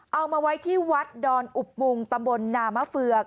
เอามาไว้ที่วัดดอนอุบมุงตำบลนามะเฟือก